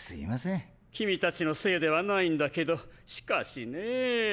君たちのせいではないんだけどしかしねぇ。